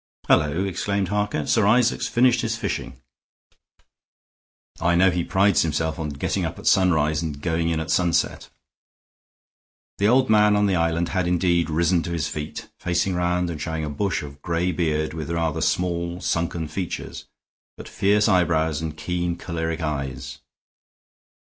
"Hullo!" exclaimed Harker. "Sir Isaac's finished his fishing. I know he prides himself on getting up at sunrise and going in at sunset." The old man on the island had indeed risen to his feet, facing round and showing a bush of gray beard with rather small, sunken features, but fierce eyebrows and keen, choleric eyes.